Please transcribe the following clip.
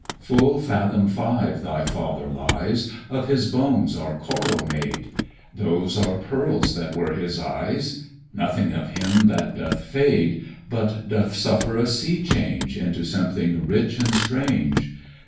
_ Full fathom five thy father lies; Of his bones are coral made; Those are pearls that were his eyes: Nothing of him that doth fade, But doth suffer a sea change 400 Into something rich and strange.